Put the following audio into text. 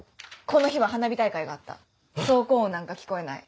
この日は花火大会があった走行音なんか聞こえない。